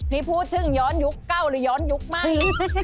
นี่พูดถึงย้อนยุคเก่าหรือย้อนยุคมั่ง